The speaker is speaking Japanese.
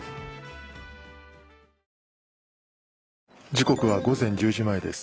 時刻は午前１０時前です。